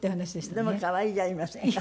でも可愛いじゃありませんか。